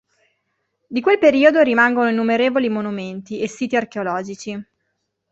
Di quel periodo rimangono innumerevoli monumenti e siti archeologici.